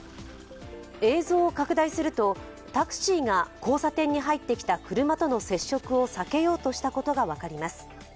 映像を拡大するとタクシーが交差点に入ってきた車との接触を避けようとしたことが分かります。